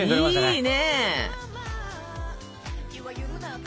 いいね！